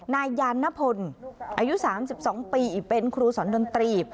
นายยานนพลอายุ๓๒ปีเป็นครูสอนดนตรี